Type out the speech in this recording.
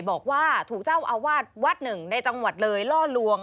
บอกว่าถูกเจ้าอาวาสวัดหนึ่งในจังหวัดเลยล่อลวง